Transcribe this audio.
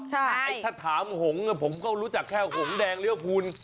ถ้าถามหงผมก็รู้จักแค่หงแดงเลี้ยวพูน